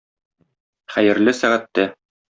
Хәерле сәгатьтә!